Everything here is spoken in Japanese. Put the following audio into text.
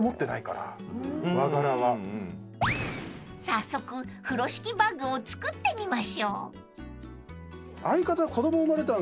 ［早速風呂敷バッグを作ってみましょう］